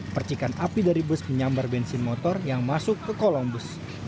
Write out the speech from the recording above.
percikan api dari bus menyambar bensin motor yang masuk ke kolong bus